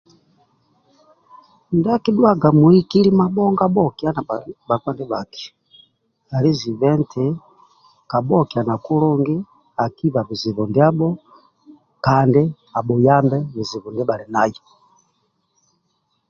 ndia akidhuwaga muhikili mabonga abuhokyana ba bkpa ndi baki ali ziba nti kabuokyana kulungi akihiba bizibu ndiabo kandi abuyambe bizibu ndibali nayi